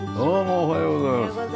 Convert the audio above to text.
おはようございます。